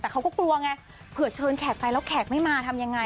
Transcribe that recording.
แต่เขาก็กลัวไงเผื่อเชิญแขกไปแล้วแขกไม่มาทำยังไง